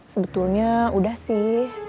sebetulnya udah sih